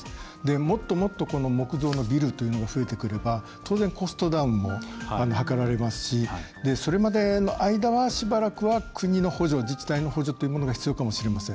もっともっと木造のビルというのが増えてくれば当然、コストダウンも図られますしそれまでの間はしばらくは国の補助自治体の補助というのが必要かもしれません。